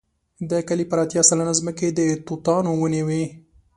د کلي پر اتیا سلنې ځمکې د توتانو ونې وې.